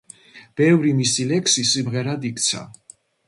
ბევრი მისი ლექსი სიმღერად იქცა.